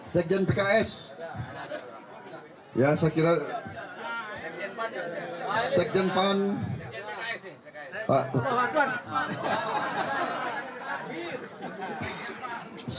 sekjen pks ya sekiranya sekjen pan